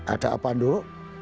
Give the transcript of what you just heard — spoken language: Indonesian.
ada apa dok